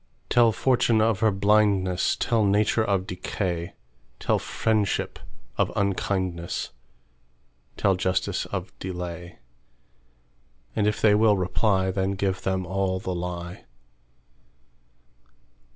Tell fortune of her blindness; Tell nature of decay; Tell friendship of unkindness; Tell justice of delay; And if they will reply, Then give them all the lie.